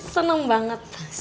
seneng banget mas